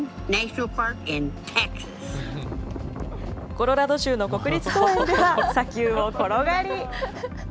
コロラド州の国立公園では、砂丘を転がり。